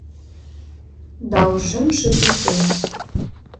Да ошемше тӱсем